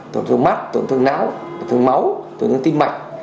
tổn thương mắt tổn thương não tổn thương máu tổn thương tim mạch